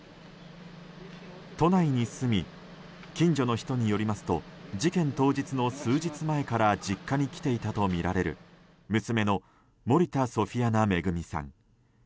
都内に住み近所の人によりますと事件当日の数日前から実家に来ていたとみられる娘の森田ソフィアナ恵さん。